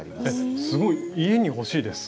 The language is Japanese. すごい家に欲しいです。